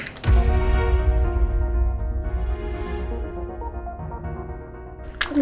hah engkau mama